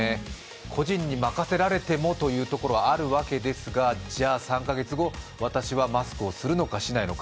個人に任せられてもというところはあるわけですがじゃあ、３か月後、私はマスクをするのか、しないのか。